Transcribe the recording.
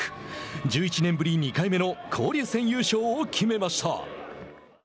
１１年ぶり２回目の交流戦優勝を決めました。